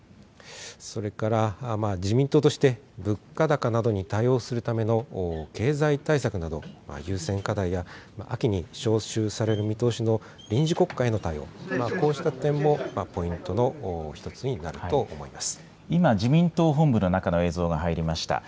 それから、自民党として物価高などに対応するための経済対策など優先課題や、秋に召集される見通しの臨時国会の対応、こうした点もポイントの今、自民党本部の中の映像が入りました。